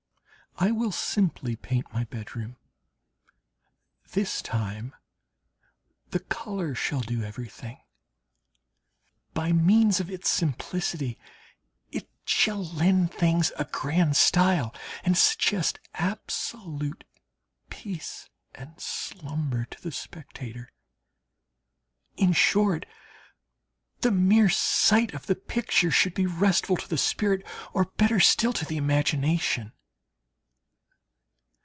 ...I will simply paint my bedroom. This time the colour shall do everything. By means of its simplicity it shall lend things a grand style, and shall suggest absolute peace and slumber to the spectator. In short, the mere sight of the picture should be restful to the spirit, or better still, to the imagination.